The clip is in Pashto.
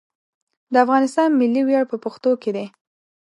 د افغانستان ملي ویاړ په پښتنو کې دی.